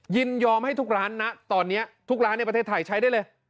ยินยอมให้ทุกร้านนะตอนนี้ทุกร้านในประเทศไทยใช้ได้เลย